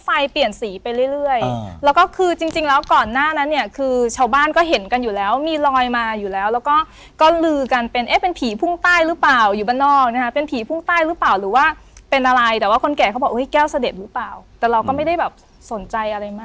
ไฟเปลี่ยนสีไปเรื่อยแล้วก็คือจริงจริงแล้วก่อนหน้านั้นเนี่ยคือชาวบ้านก็เห็นกันอยู่แล้วมีลอยมาอยู่แล้วแล้วก็ลือกันเป็นเอ๊ะเป็นผีพุ่งใต้หรือเปล่าอยู่บ้านนอกนะคะเป็นผีพุ่งใต้หรือเปล่าหรือว่าเป็นอะไรแต่ว่าคนแก่เขาบอกอุ้ยแก้วเสด็จหรือเปล่าแต่เราก็ไม่ได้แบบสนใจอะไรมาก